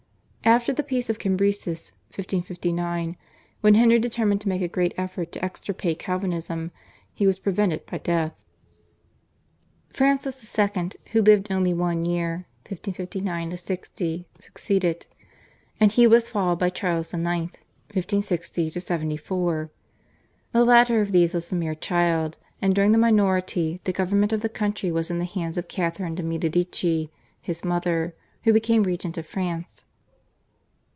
After the Peace of Cateau Cambresis (1559), when Henry determined to make a great effort to extirpate Calvinism, he was prevented by death. Francis II. who lived only one year (1559 60) succeeded, and he was followed by Charles IX. (1560 74). The latter of these was a mere child, and during the minority the government of the country was in the hands of Catharine de' Medici, his mother, who became regent of France.